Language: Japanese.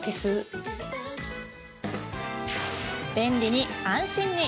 便利に、安心に！